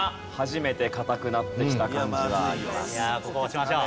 いやあここ押しましょう。